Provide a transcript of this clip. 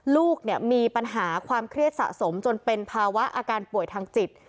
ลูกมีปัญหาความเครียดสะสมจนเป็นภาวะอาการป่วยทางจิต